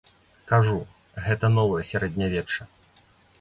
Кажу, гэта новае сярэднявечча.